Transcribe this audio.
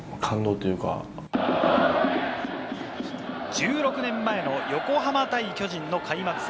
１６年前の横浜対巨人の開幕戦。